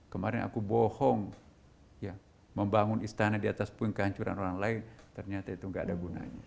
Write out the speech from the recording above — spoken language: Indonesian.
kemarin aku bohong membangun istana di atas pun kehancuran orang lain ternyata itu nggak ada gunanya